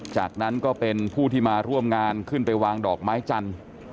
จากนั้นก็เป็นผู้ที่มาร่วมงานขึ้นไปวางดอกไม้จันทร์